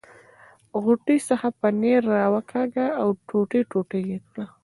غوټې څخه پنیر را وکاږه او ټوټې ټوټې یې کړ.